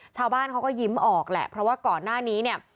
ชาวบ้านเขาก็ยิ้มออกแหละเพราะว่าก่อนหน้านี้เนี่ย